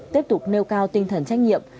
tiếp tục nêu cao tinh thần trách nhiệm